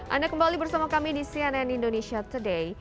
anda kembali bersama kami di cnn indonesia today